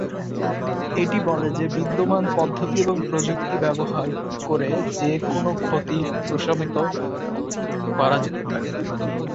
এটি বলে যে বিদ্যমান পদ্ধতি এবং প্রযুক্তি ব্যবহার করে যে কোনও ক্ষতি প্রশমিত করা যেতে পারে।